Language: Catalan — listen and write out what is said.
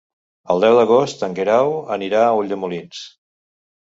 El deu d'agost en Guerau anirà a Ulldemolins.